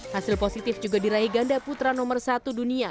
hasil positif juga diraih ganda putra nomor satu dunia